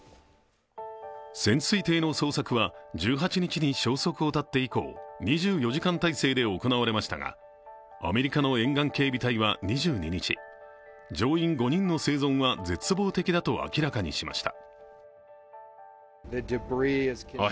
潜水艇の捜索は１８日に消息を絶って以降、２４時間態勢で行われましたがアメリカの沿岸警備隊は２２日乗員５人の生存は絶望的だと明らかにしました。